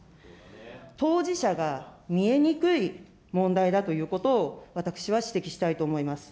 当事者が見えにくい問題だということを、私は指摘したいと思います。